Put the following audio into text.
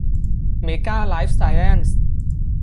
เมก้า ไลฟ์ไซแอ็นซ์